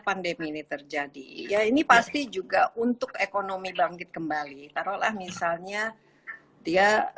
pandemi ini terjadi ya ini pasti juga untuk ekonomi bangkit kembali taruhlah misalnya dia